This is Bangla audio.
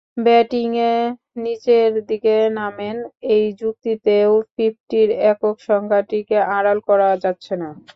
ব্যাটিংয়ে নিচের দিকে নামেন—এই যুক্তিতেও ফিফটির একক সংখ্যাটিকে আড়াল করা যাচ্ছে না।